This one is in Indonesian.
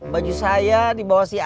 baju saya dibawa si amin